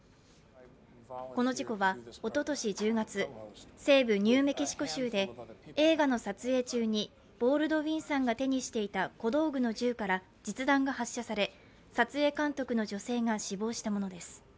この事故は、おととし１０月、西部ニューメキシコ州で映画の撮影中にボールドウィンさんが手にしていた小道具の銃から実弾が発射され撮影監督の女性が死亡したものです。